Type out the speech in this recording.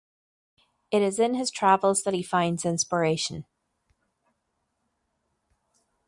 It is in his travels that he finds inspiration.